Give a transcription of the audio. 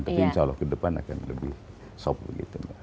tapi insya allah kedepan akan lebih sop begitu mbak